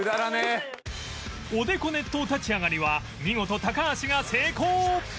おでこ熱湯立ち上がりは見事高橋が成功！